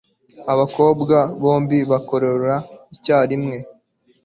Abakobwa bombi bakorora icyarimwe.